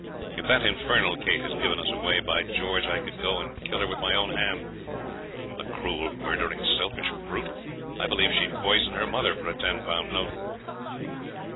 If that infernal Kate has given us away, by George, I could go and kill her with my own hand! The cruel, murdering, selfish brute, I believe she'd poison her mother for a ten pound note!'